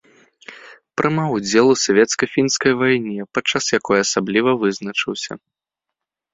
Прымаў удзел у савецка-фінскай вайне, падчас якой асабліва вызначыўся.